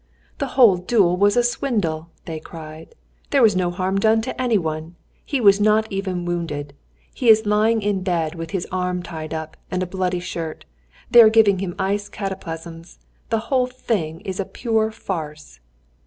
"The whole duel was a swindle!" they cried. "There was no harm done to any one. He was not even wounded. He is lying in bed with his arm tied up, and a bloody shirt; they are giving him ice cataplasms the whole thing is a pure farce!"